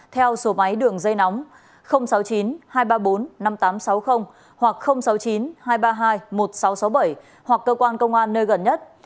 theo số máy đường dây nóng sáu mươi chín hai trăm ba mươi bốn năm nghìn tám trăm sáu mươi hoặc sáu mươi chín hai trăm ba mươi hai một nghìn sáu trăm sáu mươi bảy hoặc cơ quan công an nơi gần nhất